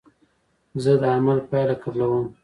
زه د عمل پایله قبلوم.